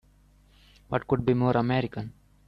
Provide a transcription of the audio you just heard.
What could be more American!